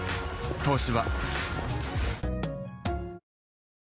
「東芝」